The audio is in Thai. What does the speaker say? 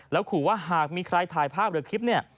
แล้วขู่ว่าหากมีใครถ่ายภาพหรือคลิปเนี่ย